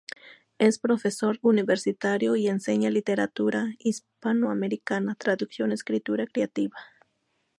Es profesor universitario y enseña literatura hispanoamericana, traducción y escritura creativa.